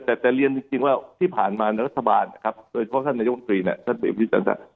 แต่เรียนจริงว่าที่ผ่านมาแล้วก็สบานนะครับโดยเฉพาะท่านนายกุศรีท่านเบบี๊ฟิริษัน